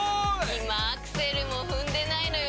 今アクセルも踏んでないのよ